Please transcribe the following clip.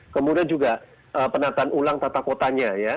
kemudian juga penataan ulang tata kotanya ya